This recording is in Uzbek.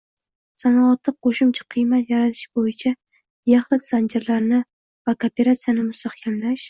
sanoatda qo‘shimcha qiymat yaratish bo‘yicha yaxlit zanjirlarni va kooperatsiyani mustahkamlash;